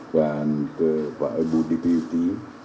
dan ke pak budi piyuti